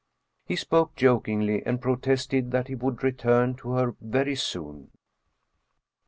He spoke jokingly, and pro tested that he would return to her very soon.